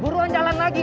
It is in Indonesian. buruan jalan lagi